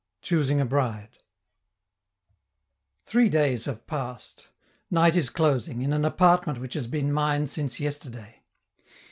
CHOOSING A BRIDE Three days have passed. Night is closing, in an apartment which has been mine since yesterday.